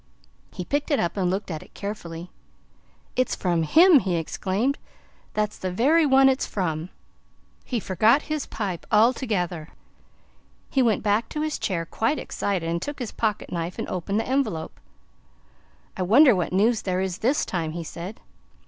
He picked it up and looked at it carefully. "It's from HIM!" he exclaimed. "That's the very one it's from!" He forgot his pipe altogether. He went back to his chair quite excited and took his pocket knife and opened the envelope. "I wonder what news there is this time," he said.